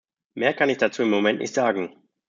Mehr kann ich dazu im Moment nicht sagen.